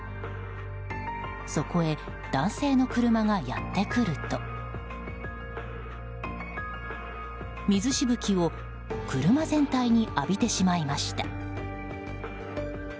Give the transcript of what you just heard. そこへ、男性の車がやってくると水しぶきを車全体に浴びてしまいました。